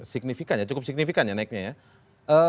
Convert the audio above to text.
signifikan ya cukup signifikan ya naiknya ya